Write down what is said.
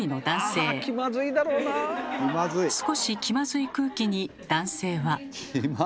少し気まずい空気に男性は。